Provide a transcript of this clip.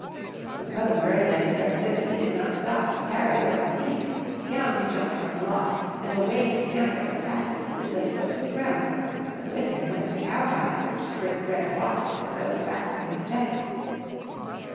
When Cousin Greylegs heard this he did not stop to tarry or to think ; c ;:( faur* 82 COUSIN GREYLEGS AND GRANDFATHER MOLE. down he jumped from the loft, and away he scampered as fast as he could lay foot to the ground ; but with him went the cowhide which the Great Red Fox had sewed fast to his jacket.